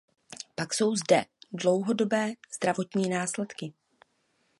Pak jsou zde dlouhodobé zdravotní následky.